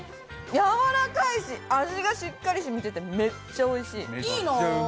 やわらかいし、味がしっかり染みていて、めっちゃおいしい。